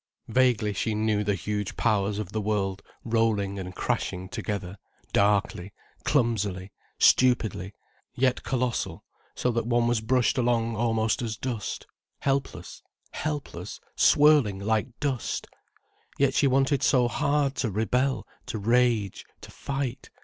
Vaguely she knew the huge powers of the world rolling and crashing together, darkly, clumsily, stupidly, yet colossal, so that one was brushed along almost as dust. Helpless, helpless, swirling like dust! Yet she wanted so hard to rebel, to rage, to fight.